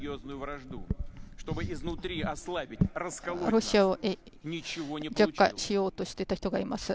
ロシアを弱化しようとしていた人たちがいます。